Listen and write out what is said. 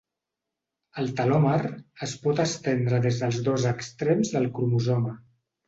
El telòmer es pot estendre des dels dos extrems del cromosoma.